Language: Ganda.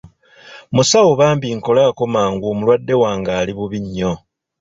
Musawo bambi nkolako mangu omulwadde wange ali bubi nnyo.